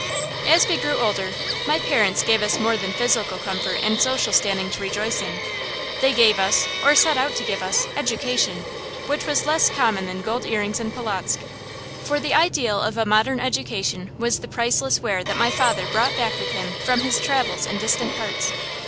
As we grew older, my parents gave us more than physical comfort and social standing to rejoice in. They gave us, or set out to give us, education, which was less common than gold earrings in Polotzk. For the ideal of a modern education was the priceless ware that my father brought back with him from his travels in distant parts.